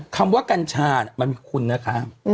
คำว่ากัญชามันมีคุณนะคะ